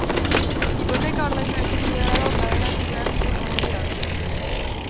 Hipoteka ordaindu ezin duelako kaleratu behar zuten familia hori.